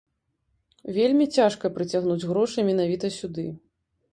Вельмі цяжка прыцягнуць грошы менавіта сюды.